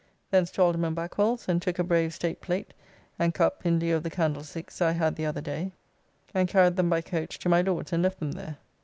Thence to Alderman Backwell's and took a brave state plate and cupp in lieu of the candlesticks that I had the other day and carried them by coach to my Lord's and left them there.